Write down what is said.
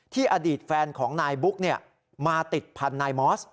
ที่อดีตแฟนของนายบุ๊คเนี่ยมาติดผ่านนายมอส